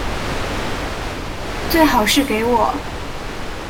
最好是给我